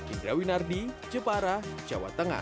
indra winardi jepara jawa tengah